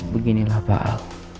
beginilah pak al